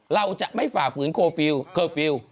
เราจะไม่ฝ่าฝืนเคอร์ฟิลล์